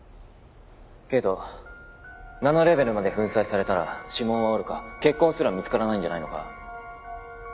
けどナノレベルまで粉砕されたら指紋はおろか血痕すら見つからないんじゃないのか？